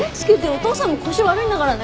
お父さんも腰悪いんだからね。